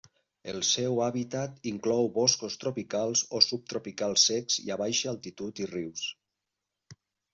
El seu hàbitat inclou boscos tropicals o subtropicals secs i a baixa altitud i rius.